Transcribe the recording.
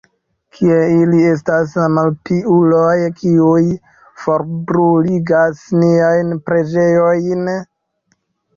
Kie ili estas, la malpiuloj, kiuj forbruligas niajn preĝejojn?